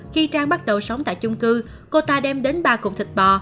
khi trang bắt đầu sống tại chung cư cô ta đem đến ba cụm thịt bò